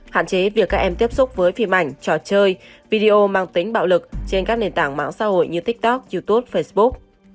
hạn chế việc các em tiếp xúc với phim ảnh trò chơi video mang tính bạo lực trên các nền tảng mạng xã hội như tiktok youtube facebook